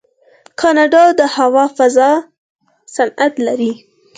کاناډا د هوا فضا صنعت لري.